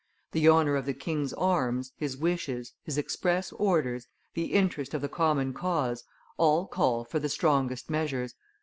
The honor of the king's arms, his wishes, his express orders, the interest of the common cause, all call for the strongest measures.